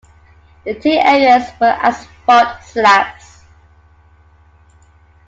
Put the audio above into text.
The tee areas were asphalt slabs.